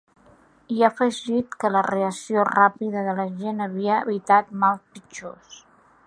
I ha afegit que la reacció ràpida de l’agent havia evitat mals pitjors.